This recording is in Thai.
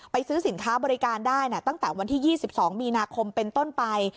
ซื้อสินค้าบริการได้ตั้งแต่วันที่๒๒มีนาคมเป็นต้นไป